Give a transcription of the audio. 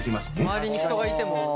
周りに人がいてもできる。